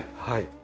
はい。